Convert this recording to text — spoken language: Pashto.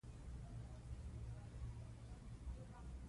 خپلې تجربې شریکې کړئ.